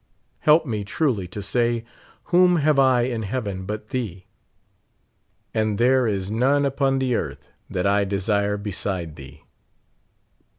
Help me truly to say, whom have I in heaven but thee ? and there is none upon the earth that I desire beside thee.